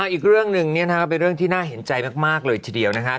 อีกเรื่องหนึ่งเป็นเรื่องที่น่าเห็นใจมากเลยทีเดียวนะครับ